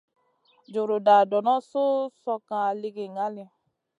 Juruda dono suh slokŋa ligi ŋali.